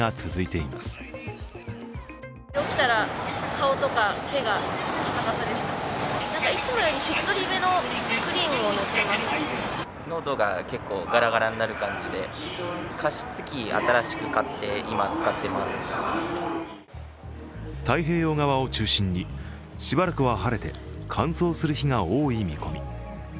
東京など太平洋側を中心に、しばらくは晴れて乾燥する日が多い見込み。